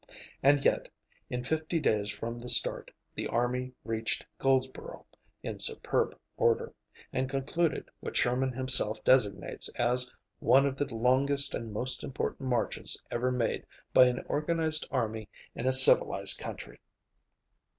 And yet, in fifty days from the start, the army reached Goldsboro, "in superb order," and concluded what Sherman himself designates as "one of the longest and most important marches ever made by an organized army in a civilized country."